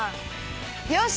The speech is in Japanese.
よし！